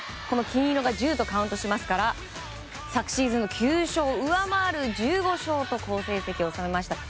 金色が１０とカウントしますから昨シーズンの９勝を上回る１５勝と好成績を収めました。